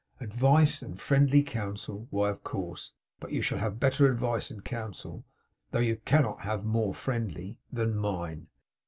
Advice, and friendly counsel! Why, of course. But you shall have better advice and counsel (though you cannot have more friendly) than mine.